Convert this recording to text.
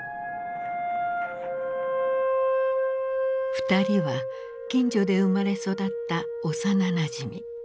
二人は近所で生まれ育った幼なじみ。